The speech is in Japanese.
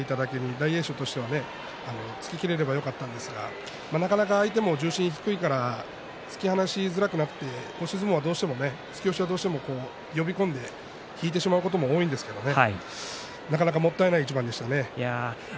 大栄翔としてはね突ききれればよかったんですがなかなか相手の重心が低いから突き放すづらくなって突き押しはどうしても呼び込んで引いてしまうことも多いんですけどなかなかもったいない一番でしたね。